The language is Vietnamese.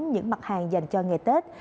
những mặt hàng dành cho ngày tết